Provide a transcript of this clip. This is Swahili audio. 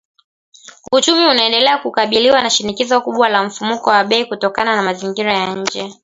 Uchumi unaendelea kukabiliwa na shinikizo kubwa la mfumuko wa bei kutokana na mazingira ya nje.